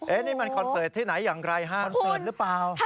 นี่มันคอนเสิร์ตที่ไหนอย่างไรห้างคอนเสิร์ตหรือเปล่า